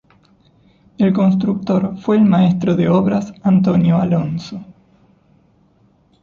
El constructor fue el maestro de obras Antonio Alonso.